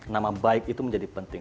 nama baik itu menjadi penting